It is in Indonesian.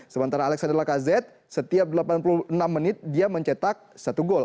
sementara alexander lacazette setiap delapan puluh enam menit dia mencetak satu gol